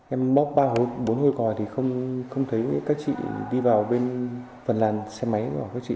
em móc ba bốn mươi còi thì không thấy các chị đi vào bên phần làn xe máy của các chị